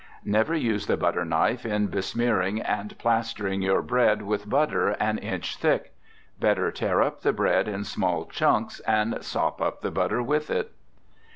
Never use the butter knife in besmearing and plastering your bread with butter an inch thick. Better tear up the bread in small chunks, and sop up the butter with it.